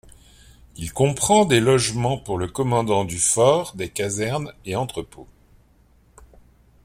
Il comprend des logements pour le commandant du fort, des casernes et entrepôts.